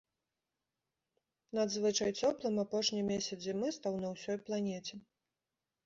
Надзвычай цёплым апошні месяц зімы стаў на ўсёй планеце.